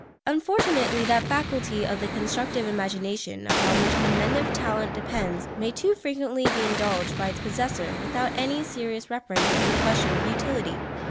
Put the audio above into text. Unfortunately that faculty of the constructive imagination upon which inventive talent depends may too frequently be indulged by its possessor without any serious reference to the question of utility.